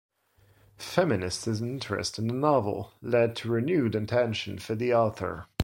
Feminists' interest in the novel led to renewed attention for the author.